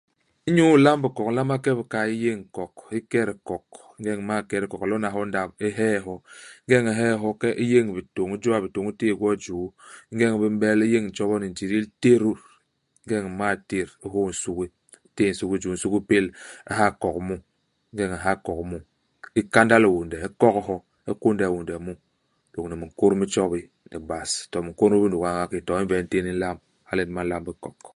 Inyu ilamb hikok, u nlama ke i bikay, u yéñ nkok, u ket hikok. Ingeñ u m'mal ket hikok u lona ho i ndap, u hee hyo. Ingeñ u nhee hyo u ke u yéñ bitôñ ; u jôa bitôñ u téé gwo i juu. Ingeñ bi m'bel u yéñ ntjobo ni ntidil, u tét. Ingeñ u m'mal tét, u hôô gwo nsugi. U téé nsugi i juu, nsudi u pél. U ha hikok mu. Ingeñ u nha hikok mu, u kandal hiônde, u kok hyo. U kônde hiônde mu, lôñni minkôt mi tjobi, ni bas, to minkôt mi binuga nga nki, ni to umbe ntén u nlamb. Hala nyen ba nlamb hikok.